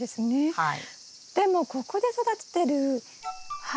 はい。